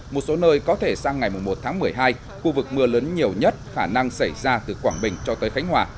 một số nơi có thể sang ngày một tháng một mươi hai khu vực mưa lớn nhiều nhất khả năng xảy ra từ quảng bình cho tới khánh hòa